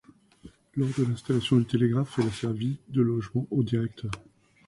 Lors de l'installation du télégraphe, elle a servi de logement au directeur.